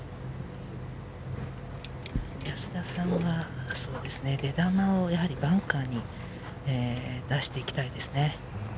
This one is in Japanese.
安田さんは出球をバンカーに出していきたいですね。